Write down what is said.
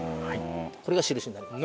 これが印になります。